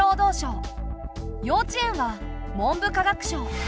幼稚園は文部科学省。